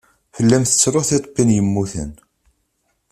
Fell-am tettru tiṭ n win yemmuten.